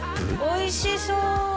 おいしそう！